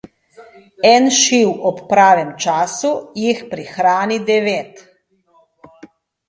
En šiv ob pravem času, jih prihrani devet.